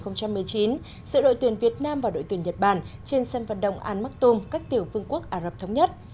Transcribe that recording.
giữa đội tuyển việt nam và đội tuyển nhật bản trên sân vận động an maktoum cách tiểu vương quốc ả rập thống nhất